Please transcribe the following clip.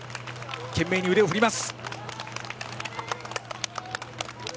懸命に腕を振ります。